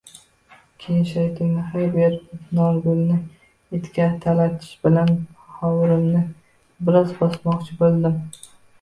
Keyin shaytonga hay berib, Norgulni itga talatish bilan hovurimni biroz bosmoqchi bo’ldim.